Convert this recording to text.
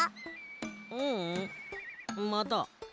ううんまだ。